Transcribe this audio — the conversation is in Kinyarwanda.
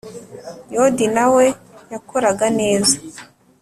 Yodi nawe yakoraga neza